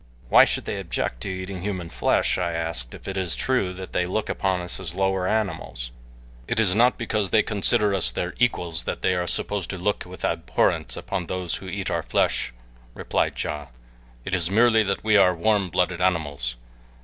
"Why should they object to eating human flesh," I asked, "if it is true that they look upon us as lower animals?" "It is not because they consider us their equals that they are supposed to look with abhorrence upon those who eat our flesh," replied Ja; "it is merely that we are warm blooded animals.